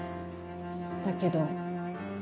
だけど。